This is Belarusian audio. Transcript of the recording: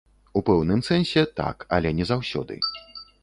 У пэўным сэнсе так, але не заўсёды.